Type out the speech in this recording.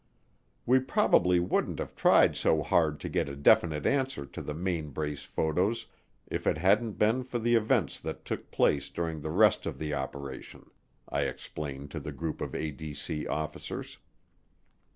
We probably wouldn't have tried so hard to get a definite answer to the Mainbrace photos if it hadn't been for the events that took place during the rest of the operation, I explained to the group of ADC officers.